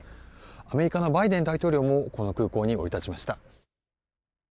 アメリカのバイデン大統領もこの空港に降り立ちました。